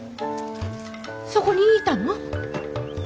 そこにいたの？